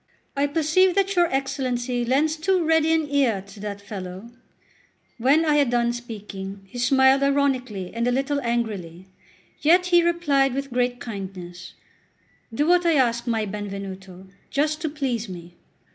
I perceive that your Excellency lends too ready an ear to that fellow." When I had done speaking, he smiled ironically and a little angrily; yet he replied with great kindness: "Do what I ask, my Benvenuto, just to please me."